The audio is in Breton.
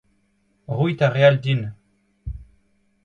Roit ar re all din.